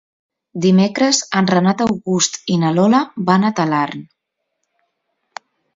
Dimecres en Renat August i na Lola van a Talarn.